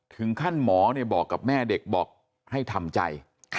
ถึงขั้นหมอบอกกับแม่เด็กบอกให้ทำใจ